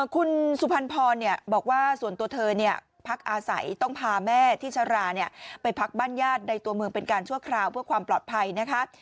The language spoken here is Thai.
คุณสุพรรณพรบอกว่าส่วนตัวเธอพักอาศัยต้องพาแม่ที่ชราไปพักบ้านญาติในตัวเมืองเป็นการชั่วคราวเพื่อความปลอดภัยนะคะ